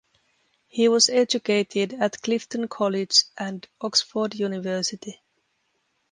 He was educated at Clifton College and Oxford University.